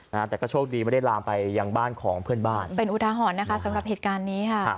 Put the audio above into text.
นะฮะแต่ก็โชคดีไม่ได้ลามไปยังบ้านของเพื่อนบ้านเป็นอุทาหรณ์นะคะสำหรับเหตุการณ์นี้ค่ะ